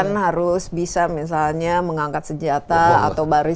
terus bisa misalnya mengangkat senjata atau baris